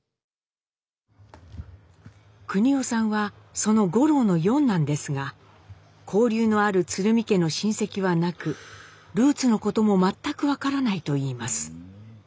國男さんはその五郎の四男ですが交流のある鶴見家の親戚はなくルーツのことも全く分からないといいます。